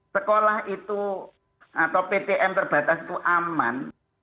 sekolah itu atau ptm terbatas itu aman